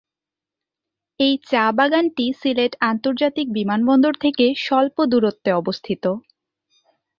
এই চা বাগানটি সিলেট আন্তর্জাতিক বিমানবন্দর থেকে স্বল্প দূরত্বে অবস্থিত।